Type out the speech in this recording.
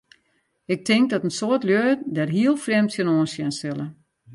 Ik tink dat in soad lju dêr hiel frjemd tsjinoan sjen sille.